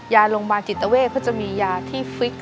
ยาลงบาลจิตเอาเวทเพื่อจะมียาที่ฟลิก